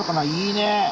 いいねえ。